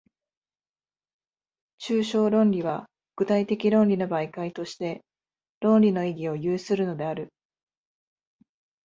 抽象論理は具体的論理の媒介として、論理の意義を有するのである。